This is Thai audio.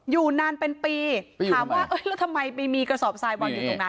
อยู่นานเป็นปีถามว่าแล้วทำไมไปมีกระสอบทรายวางอยู่ตรงนั้น